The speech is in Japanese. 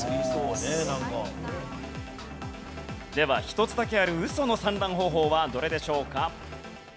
では１つだけあるウソの産卵方法はどれでしょうか？